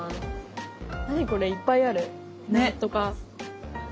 何これいっぱいある。ね！